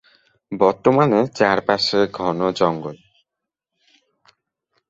বর্তমানে চারপাশে ঘন জঙ্গল।